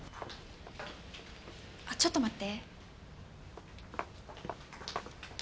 あっちょっと待って。